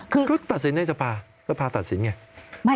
คือก็ตัดสินในสภาสภาตัดสินไง